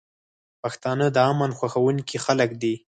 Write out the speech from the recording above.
پښتانه د امن خوښونکي خلک دي.